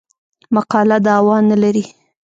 مقاله دعوا نه لري.